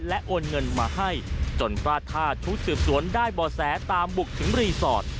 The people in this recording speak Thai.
และโอนเงินมาให้จนพลาดท่าชุดสืบสวนได้บ่อแสตามบุกถึงรีสอร์ท